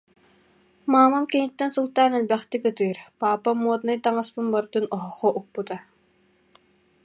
Маамам киниттэн сылтаан элбэхтик ытыыр, паапам моднай таҥаспын барытын оһоххо укпута